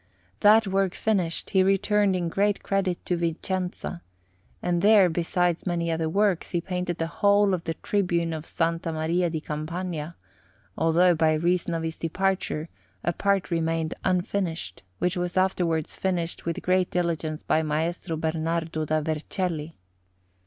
That work finished, he returned in great credit to Vicenza, and there, besides many other works, he painted the whole of the tribune of S. Maria di Campagna, although by reason of his departure a part remained unfinished, which was afterwards finished with great diligence by Maestro Bernardo da Vercelli.